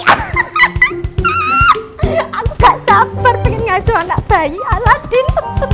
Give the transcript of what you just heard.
aku gak sabar pengen ngasuh anak bayi aladin